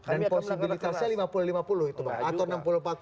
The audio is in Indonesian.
dan posibilitasnya lima puluh lima puluh